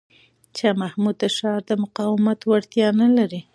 شاه محمود د ښار د مقاومت وړتیا نه لري.